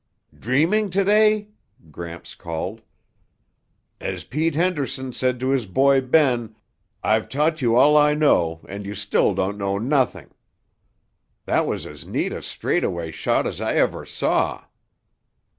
"Dreaming today?" Gramps called. "As Pete Henderson said to his boy, Ben, 'I've taught you all I know and you still don't know nothing.' That was as neat a straightaway shot as I ever saw."